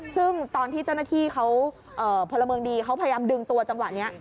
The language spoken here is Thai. ซึ่งตอนที่เจ้าหน้าที่เขาพลเมืองดีเขาพยายามดึงตัวจังหวะนี้